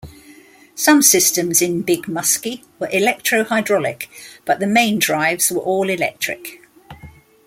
Some systems in Big Muskie were electro-hydraulic, but the main drives were all electric.